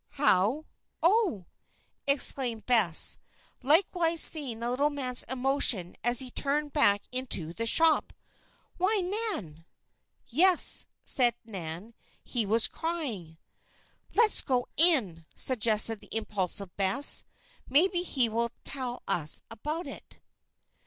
How? Oh!" exclaimed Bess, likewise seeing the little man's emotion as he turned back into the shop. "Why, Nan!" "Yes," said Nan. "He was crying." "Let's go in," suggested the impulsive Bess. "Maybe he will tell us about it."